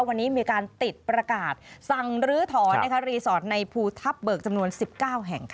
วันนี้มีการติดประกาศสั่งลื้อถอนรีสอร์ทในภูทับเบิกจำนวน๑๙แห่ง